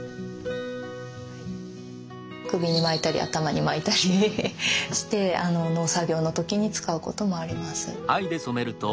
首に巻いたり頭に巻いたりして農作業の時に使うこともあります。